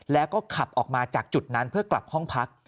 แล้วก็ขับออกมาจากจุดนั้นเพื่อกลับห้องพัก